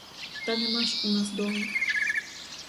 Та нема ж у нас дому.